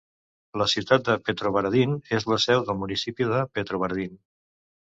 La ciutat de Petrovaradin és la seu del municipi de Petrovaradin.